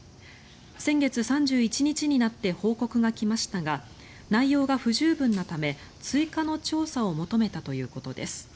先月３１日になって報告が来ましたが内容が不十分なため追加の調査を求めたということです。